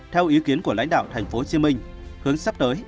theo ý kiến của lãnh đạo tp hcm hướng sắp tới